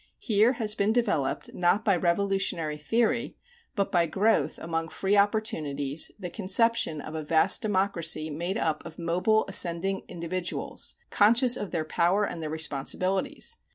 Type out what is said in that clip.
Here has been developed, not by revolutionary theory, but by growth among free opportunities, the conception of a vast democracy made up of mobile ascending individuals, conscious of their power and their responsibilities.